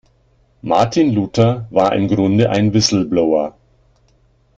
Martin Luther war im Grunde ein Whistleblower.